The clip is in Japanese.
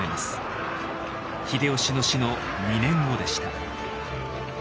秀吉の死の２年後でした。